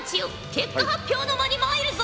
結果発表の間に参るぞ！